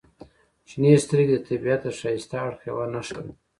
• شنې سترګې د طبیعت د ښایسته اړخ یوه نښه ده.